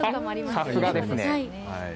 さすがですね。